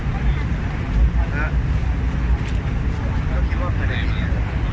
ถ้าได้ก็คิดว่าประแดนนี้